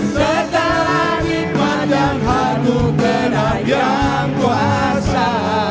jangan lupa yang anugerah yang kuasa